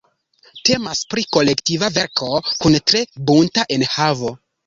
Temas pri kolektiva verko kun tre bunta enhavo.